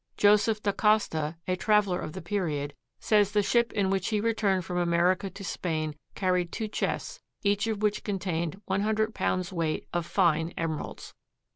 Joseph D'Acosta, a traveler of the period, says the ship in which he returned from America to Spain carried two chests, each of which contained one hundred pounds' weight of fine emeralds.